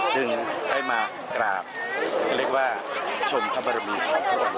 จึงให้มากราบคือเรียกว่าชนพระบรมีของพระบรมนิษฐ์